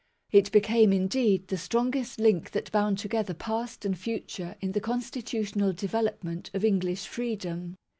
It became indeed the strongest link that bound together past and future in the constitutional development of English freedom.